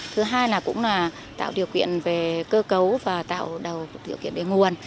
thứ hai là cũng là tạo điều kiện về cơ cấu và tạo đầu điều kiện về nguồn